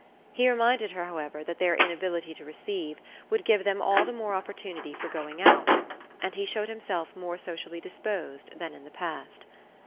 He reminded her, however, that their inability to receive would give them all the more opportunity for going out, and he showed himself more socially disposed than in the past.